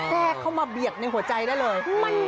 แทรกเข้ามาเบียดในหัวใจได้เลย